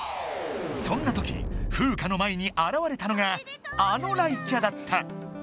そんなときフウカの前にあらわれたのがあの雷キャだった。